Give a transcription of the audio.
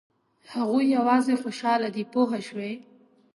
هغوی یوازې خوشاله دي پوه شوې!.